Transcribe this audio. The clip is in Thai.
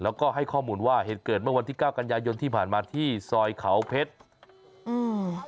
แล้วก็ให้ข้อมูลว่าเหตุเกิดเมื่อวันที่เก้ากันยายนที่ผ่านมาที่ซอยเขาเพชรอืม